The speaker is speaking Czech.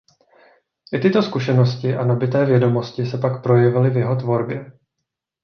I tyto zkušenosti a nabyté vědomosti se pak projevily v jeho tvorbě.